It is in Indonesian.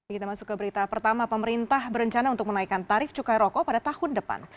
kita masuk ke berita pertama pemerintah berencana untuk menaikkan tarif cukai rokok pada tahun depan